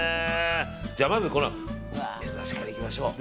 じゃあ、まずめざしからいきましょう。